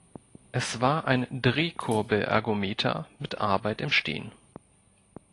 Es war ein Drehkurbel-Ergometer mit Arbeit im Stehen.